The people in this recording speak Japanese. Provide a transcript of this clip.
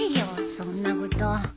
そんなこと。